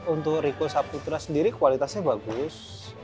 untuk rico sabudra sendiri kualitasnya bagus